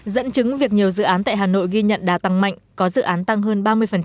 dẫn chứng việc nhiều dự án tại hà nội ghi nhận đá tăng mạnh có dự án tăng hơn ba mươi